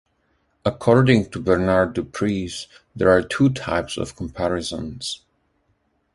According to Bernard Dupriez, there are two types of comparisons.